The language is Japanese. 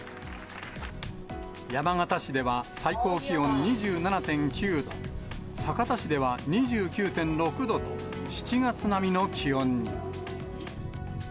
山形市では、最高気温２７．９度、酒田市では２９．６度と、７月並みの気温に。